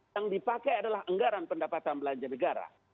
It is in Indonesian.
yang dipakai adalah anggaran pendapatan belanja negara